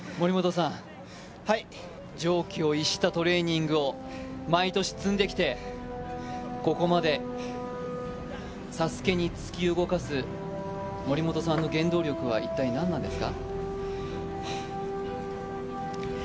常軌を逸したトレーニングを毎年積んできて、ここまでＳＡＳＵＫＥに突き動かす森本さんの原動力は一体何なんですか？